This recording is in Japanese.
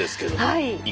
はい。